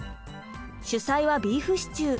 主菜はビーフシチュー。